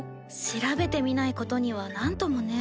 調べてみないことにはなんともね。